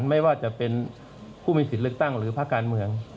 ไม่ว่าจะเป็นผู้มีสิทธิ์เลือกตั้งหรือภาคการเมือง